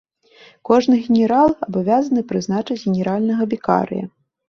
Кожны генерал абавязаны прызначыць генеральнага вікарыя.